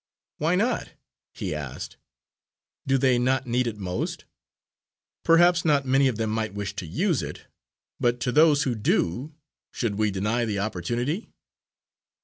"Why not?" he asked. "Do they not need it most? Perhaps not many of them might wish to use it; but to those who do, should we deny the opportunity?